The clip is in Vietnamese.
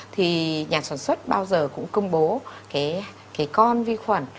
thì nhà sản xuất bao giờ cũng công bố cái con vi khuẩn